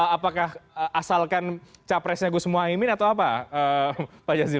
apakah asalkan capresnya gus muahimin atau apa pak jazirul